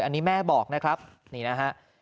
อันนี้แม่บอกนะครับนี่นะฮะ